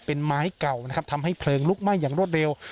เป็นไม้เก่านะครับทำให้เพลิงลุกไหม้อย่างรวดเร็ว